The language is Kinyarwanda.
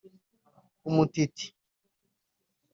Umtiti